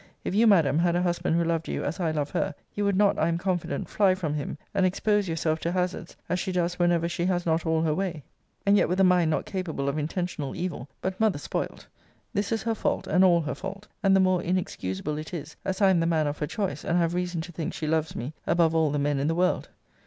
If you, Madam, had a husband who loved you as I love her, you would not, I am confident, fly from him, and expose yourself to hazards, as she does whenever she has not all her way and yet with a mind not capable of intentional evil but mother spoilt! This is her fault, and all her fault: and the more inexcusable it is, as I am the man of her choice, and have reason to think she loves me above all the men in the world.